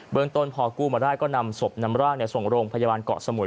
เบื้องตนพ่อกู้มาร่ายก็นำศพนำร่างส่งโรงพยาบาลเกาะสมุย